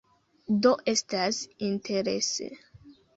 Do estas interese.